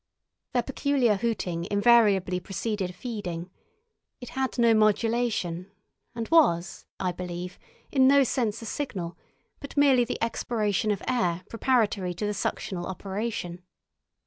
Their peculiar hooting invariably preceded feeding; it had no modulation, and was, I believe, in no sense a signal, but merely the expiration of air preparatory to the suctional operation.